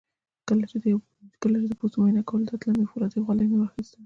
کله چې د پوستو معاینه کولو ته تلم یو فولادي خولۍ مې اخیستله.